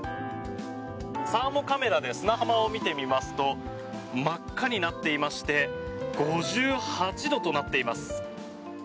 サーモカメラで砂浜を見てみますと真っ赤になっていまして５８度となっています。